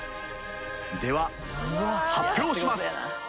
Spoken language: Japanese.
では発表します。